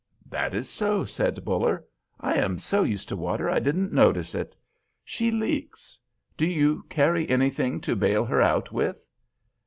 "That is so," said Buller. "I am so used to water I didn't notice it. She leaks. Do you carry anything to bail her out with?"